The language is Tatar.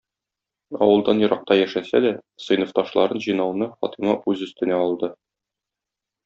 Авылдан еракта яшәсә дә, сыйныфташларын җыйнауны Фатыйма үз өстенә алды.